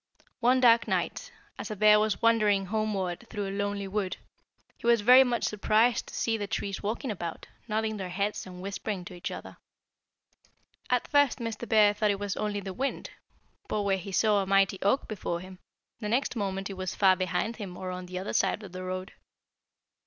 One dark night as a bear was wandering homeward through a lonely wood, he was very much surprised to see the trees walking about, nodding their heads and whispering to each other. "At first Mr. Bear thought it was only the wind; but where he saw a mighty oak before him, the next moment it was far behind him or on the other side of the road.